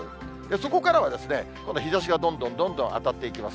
そこからは、今度は日ざしがどんどんどんどん当たっていきます。